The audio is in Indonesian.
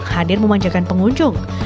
hadir memanjakan pengunjung